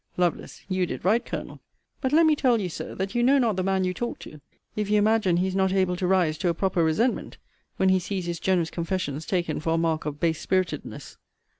Lovel. You did right, Colonel. But let me tell you, Sir, that you know not the man you talk to, if you imagine he is not able to rise to a proper resentment, when he sees his generous confessions taken for a mark of base spiritedness.